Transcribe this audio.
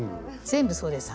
全部そうです。